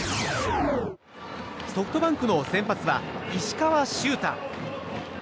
ソフトバンクの先発は石川柊太。